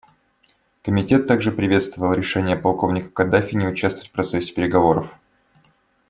Комитет также приветствовал решение полковника Каддафи не участвовать в процессе переговоров.